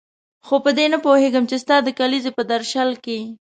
خو په دې نه پوهېږم چې ستا د کلیزې په درشل کې.